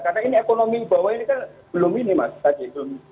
karena ini ekonomi bawah ini kan belum minimal